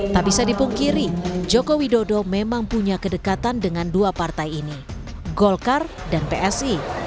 tak bisa dipungkiri joko widodo memang punya kedekatan dengan dua partai ini golkar dan psi